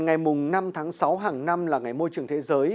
ngày năm tháng sáu hàng năm là ngày môi trường thế giới